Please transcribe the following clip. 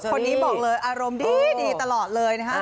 คนนี้บอกเลยอารมณ์ดีตลอดเลยนะฮะ